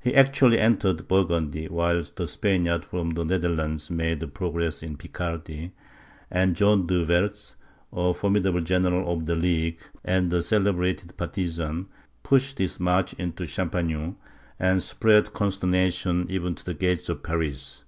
He actually entered Burgundy, while the Spaniards from the Netherlands made progress in Picardy; and John De Werth, a formidable general of the League, and a celebrated partisan, pushed his march into Champagne, and spread consternation even to the gates of Paris.